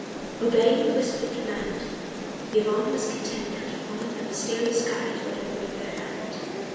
Obeying the whispered command, Yvonne was content now to follow her mysterious guide who had hold of her hand.